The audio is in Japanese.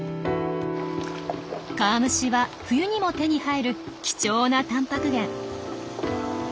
川虫は冬にも手に入る貴重なたんぱく源。